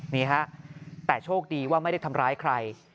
นี่ฮะแต่โชคดีว่าไม่ได้ทำร้ายใคร